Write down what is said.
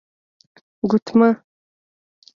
💍 ګوتمه